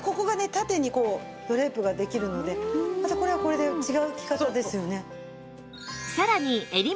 縦にこうドレープができるのでまたこれはこれで違う着方ですよね。